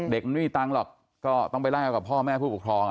เด็กมันไม่มีตังค์หรอกก็ต้องไปไล่เอากับพ่อแม่ผู้ปกครอง